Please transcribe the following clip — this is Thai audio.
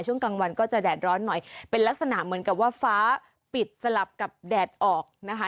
ช่วงกลางวันก็จะแดดร้อนหน่อยเป็นลักษณะเหมือนกับว่าฟ้าปิดสลับกับแดดออกนะคะ